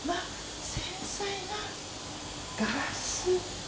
繊細なガラス。